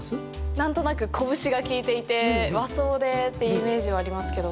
なんとなくこぶしが利いていて和装でっていうイメージはありますけど。